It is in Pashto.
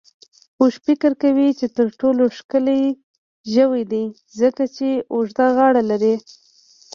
اوښ فکر کوي چې تر ټولو ښکلی ژوی دی، ځکه چې اوږده غاړه لري.